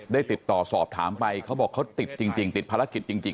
ได้ติดต่อสอบถามไปเขาบอกเขาติดจริงติดภารกิจจริง